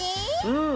うん！